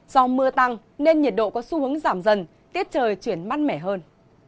do mưa tăng nên nhiệt độ có xu hướng giảm dần tiết trời chuyển mát mẻ hơn